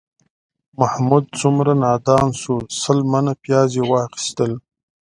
محمود څومره نادان شو، سل منه پیاز یې واخیستل